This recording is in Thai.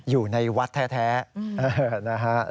อยู่ในวัดแท้นะฮะ